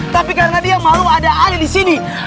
tapi karena dia yang malu ada alih di sini